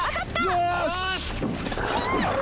よし！